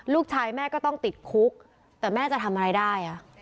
ลูกชายแม่ก็ต้องติดคุกแต่แม่จะทำอะไรได้